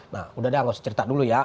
nah udah dah gak usah cerita dulu ya